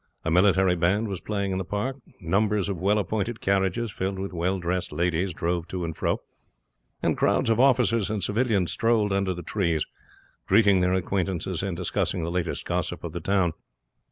A military band was playing in the park. Numbers of well appointed carriages, filled with well dressed ladies, drove to and fro, and crowds of officers and civilians strolled under the trees, greeting their acquaintances and discussing the latest gossip of the town.